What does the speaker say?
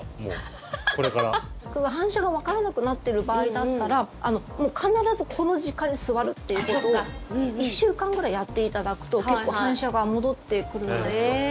もし、反射がわからなくなってる場合だったら必ずこの時間に座るっていうことを１週間くらいやっていただくと結構、反射が戻ってくるんです。